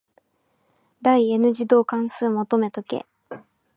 第 n 次導関数求めとけ。